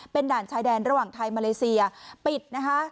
เป็นด่านชายแดนระหว่างไทยมาเลเซียปิดนะคะ